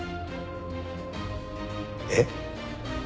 えっ？